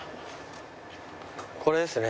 これですね。